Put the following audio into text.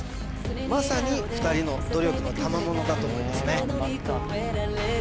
まさに２人の努力のたまものだと思いますね